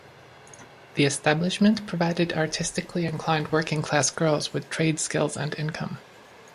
The establishment provided artistically inclined, working-class girls with trade skills and income.